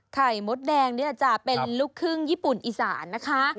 มดแดงนี่แหละจะเป็นลูกครึ่งญี่ปุ่นอีสานนะคะ